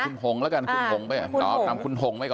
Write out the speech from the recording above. คุณโหงละกันคุณโหงไป